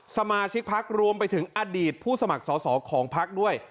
สมาชิกพักรวมไปถึงอดีตผู้สมัครสอสอของพักด้วย